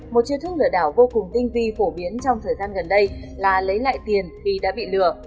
một chiêu thức lừa đảo vô cùng tinh vi phổ biến trong thời gian gần đây là lấy lại tiền khi đã bị lừa